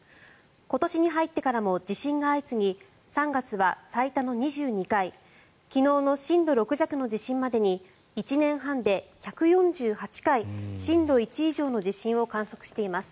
今年に入ってからも地震が相次ぎ３月は最多の２２回昨日の震度６弱の地震までに１年半で１４８回震度１以上の地震を観測しています。